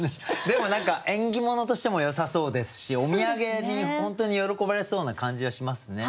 でも何か縁起物としてもよさそうですしお土産に本当に喜ばれそうな感じはしますね。